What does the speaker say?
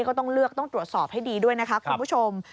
ก็ต้องเลือกต้องตรวจสอบให้ดีด้วยนะคะคุณผู้ชม